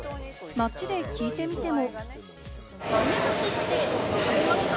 街で聞いてみても。